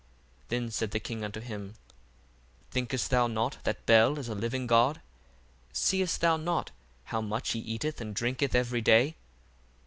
1:6 Then said the king unto him, Thinkest thou not that Bel is a living God? seest thou not how much he eateth and drinketh every day?